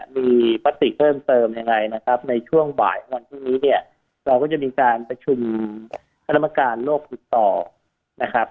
มีมติเพิ่มเติมยังไงนะครับในช่วงบ่ายวันพรุ่งนี้เนี่ยเราก็จะมีการประชุมคณะกรรมการโลกติดต่อนะครับ